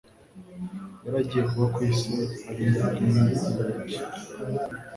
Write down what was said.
yari agiye kuba ku isi, ari mu bwiguruge.